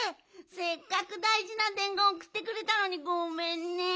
せっかくだいじなでんごんおくってくれたのにごめんね。